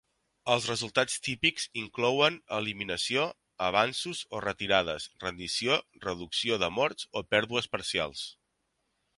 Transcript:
Els resultats típics inclouen eliminació, avanços o retirades, rendició, reducció de morts o pèrdues parcials.